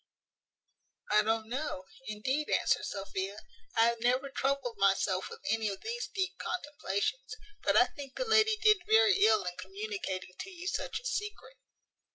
"I don't know, indeed," answered Sophia; "I have never troubled myself with any of these deep contemplations; but I think the lady did very ill in communicating to you such a secret."